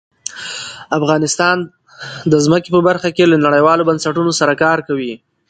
افغانستان د ځمکه په برخه کې له نړیوالو بنسټونو سره کار کوي.